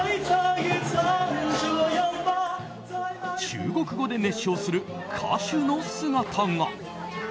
中国語で熱唱する歌手の姿が。